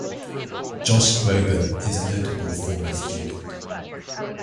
Josh Groban is a notable former student.